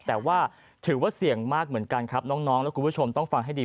แต่ว่าถือว่าเสี่ยงมากเหมือนกันครับน้องและคุณผู้ชมต้องฟังให้ดี